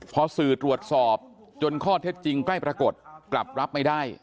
พอสื่อตรวจสอบจนข้อเท็จจริงใกล้ปรากฏกลับรับไม่ได้